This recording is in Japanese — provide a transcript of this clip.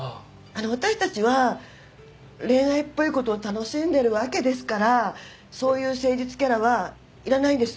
あのう私たちは恋愛っぽいことを楽しんでるわけですからそういう誠実キャラはいらないです。